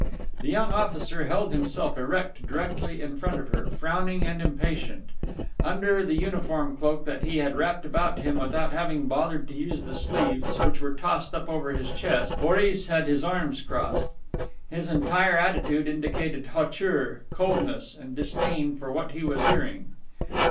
The young officer held himself erect directly in front of her, frowning and impatient. Under the uniform cloak that he had wrapped about him without having bothered to use the sleeves, which were tossed up over his chest, Boris had his arms crossed. His entire attitude indicated hauteur, coldness and disdain for what he was hearing.